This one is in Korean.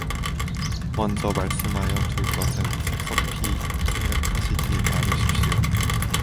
먼저 말씀하여 둘 것은 섭섭히 생각하시지 말으십시오.